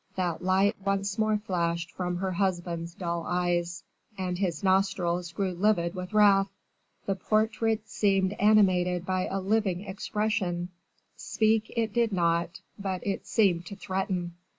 that light once more flashed from her husband's dull eyes, and his nostrils grew livid with wrath. The portrait seemed animated by a living expression speak it did not, but it seemed to threaten.